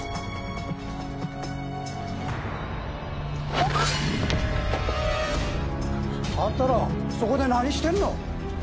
キャッ！あんたらそこで何してるの？